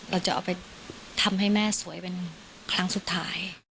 เราจะเอาไปทำให้แม่สวยเป็นครั้งสุดท้าย